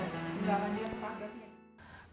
jangan lihat panggungnya